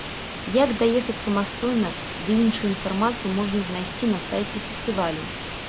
Як даехаць самастойна ды іншую інфармацыю можна знайсці на сайце фестывалю.